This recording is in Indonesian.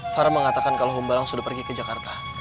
farah mengatakan kalau humbalang sudah pergi ke jakarta